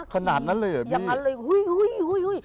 ขนาดนั้นเลยเหรออย่างนั้นเลยอุ้ย